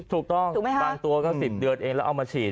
ถูกต้องบางตัวก็๑๐เดือนเองแล้วเอามาฉีด